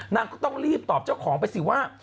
นางก็ต้องรีบตอบเจ้าของไปสิว่า